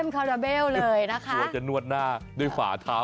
กลัวจะนวดหน้าด้วยฝ่าเท้า